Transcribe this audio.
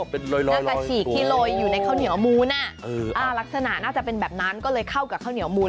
หน้ากระฉีกที่โรยอยู่ในข้าวเหนียวมูลลักษณะน่าจะเป็นแบบนั้นก็เลยเข้ากับข้าวเหนียวมูล